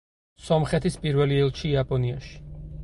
სომხეთის პირველი ელჩი იაპონიაში.